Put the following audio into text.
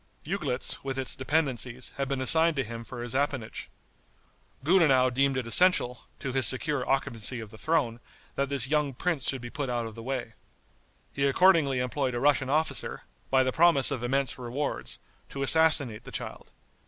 Uglitz, with its dependencies, had been assigned to him for his appanage. Gudenow deemed it essential, to his secure occupancy of the throne, that this young prince should be put out of the way. He accordingly employed a Russian officer, by the promise of immense rewards, to assassinate the child.